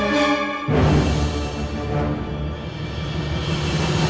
ngaiur ku dari ricky mak